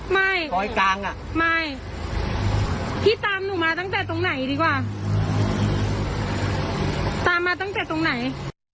รอยกลางอ่ะไม่พี่ตามหนูมาตั้งแต่ตรงไหนดีกว่าตามมาตั้งแต่ตรงไหน